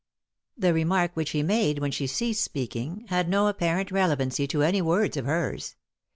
The remark which he made, when she ceased speaking, had no apparent relevancy to any words of hers.